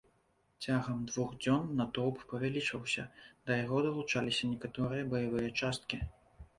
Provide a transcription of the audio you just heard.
Цягам двух дзён натоўп павялічваўся, да яго далучаліся некаторыя баявыя часткі.